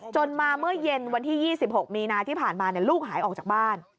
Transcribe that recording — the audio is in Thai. มาเมื่อเย็นวันที่๒๖มีนาที่ผ่านมาลูกหายออกจากบ้าน